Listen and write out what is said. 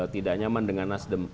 tidak nyaman dengan nasdem